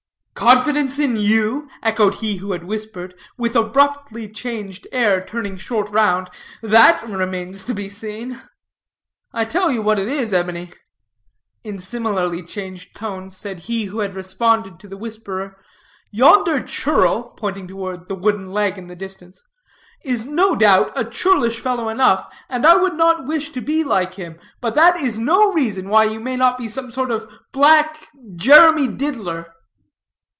"Confidence in you?" echoed he who had whispered, with abruptly changed air turning short round; "that remains to be seen." "I tell you what it is, Ebony," in similarly changed tones said he who had responded to the whisperer, "yonder churl," pointing toward the wooden leg in the distance, "is, no doubt, a churlish fellow enough, and I would not wish to be like him; but that is no reason why you may not be some sort of black Jeremy Diddler."